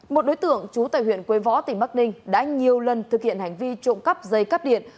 một đối tượng trú tại huyện quế võ tỉnh bắc ninh đã nhiều lần thực hiện hành vi trộm cắp dây cắp điện